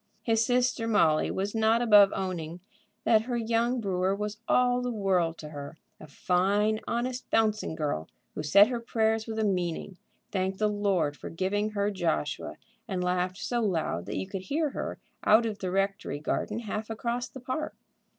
His sister Molly was not above owning that her young brewer was all the world to her; a fine, honest, bouncing girl, who said her prayers with a meaning, thanked the Lord for giving her Joshua, and laughed so loud that you could hear her out of the rectory garden half across the park.